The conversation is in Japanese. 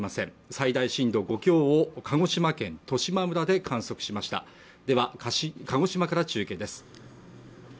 最大震度５強を鹿児島県十島村で観測しましたでは鹿児島から中継です